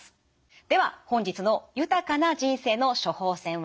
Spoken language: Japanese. では本日の豊かな人生の処方せんは？